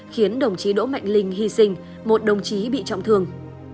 khiến đồng chí đỗ mạnh linh hy sinh một đồng chí bị trọng thương